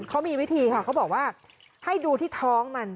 เขามีวิธีค่ะเขาบอกว่าให้ดูที่ท้องมัน